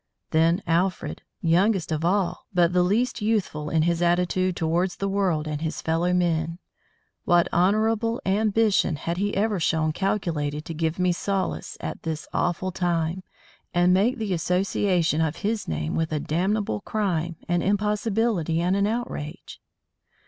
Then Alfred youngest of all but the least youthful in his attitude towards the world and his fellow men what honourable ambition had he ever shown calculated to give me solace at this awful time, and make the association of his name with a damnable crime an impossibility and an outrage?